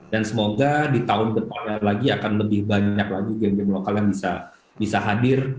dan semoga di tahun depannya lagi akan lebih banyak lagi game game lokal yang bisa hadir